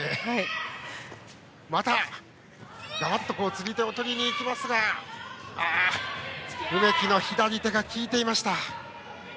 釣り手を取りに行きますが梅木の左手がきいていました。